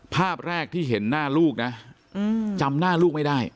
ภาพแรกที่เห็นหน้าลูกนะจำหน้าลูกไม่ได้